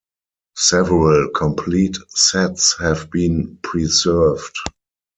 Several complete sets have been preserved.